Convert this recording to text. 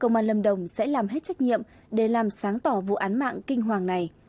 công an lâm đồng sẽ làm hết trách nhiệm để làm sáng tỏ vụ án mạng kinh hoàng này